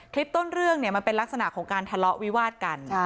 คลิปต้นเรื่องมันเป็นลักษณะของการทะเลาะวิวาดกัน